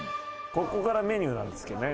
ここからメニューなんですけどね